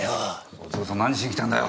そっちこそ何しに来たんだよ？